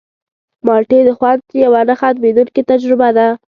مالټې د خوند یوه نه ختمېدونکې تجربه ده.